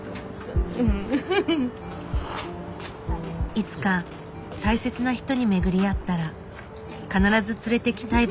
いつか大切な人に巡り会ったら必ず連れてきたい場所だった。